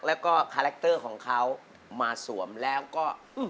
แล้วก็คาแรคเตอร์ของเขามาสวมแล้วก็